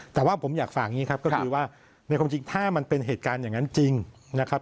แต่ว่าผมอยากฝากอย่างนี้ครับก็คือว่าในความจริงถ้ามันเป็นเหตุการณ์อย่างนั้นจริงนะครับ